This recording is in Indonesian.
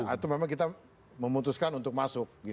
atau memang kita memutuskan untuk masuk